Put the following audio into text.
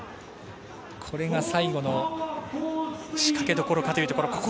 これが最後の仕掛けどころかというところ。